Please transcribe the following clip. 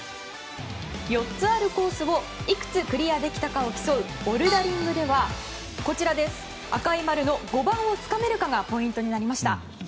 ４つあるコースをいくつクリアできたかを競うボルダリングでは赤い丸の５番をつかめるかがポイントになりました。